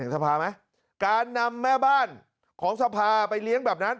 สภาไหมการนำแม่บ้านของสภาไปเลี้ยงแบบนั้น